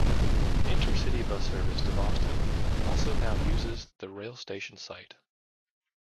Intercity bus service to Boston also now uses the rail station site.